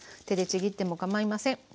手でちぎってもかまいません。